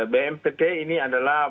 bmpt ini adalah